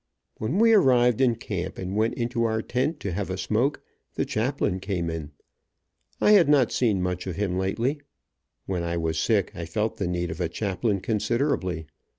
When we arrived in camp, and went into our tent to have a smoke, the chaplain came in. I had not seen much of him lately. When I was sick I felt the need of a chaplain considerably.